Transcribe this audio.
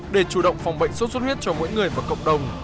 để chủ động phòng bệnh sốt xuất huyết cho mỗi người và cộng đồng